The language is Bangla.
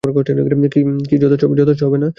কী যথেষ্ট হবে না?